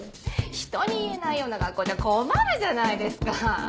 ひとに言えないような学校じゃ困るじゃないですか。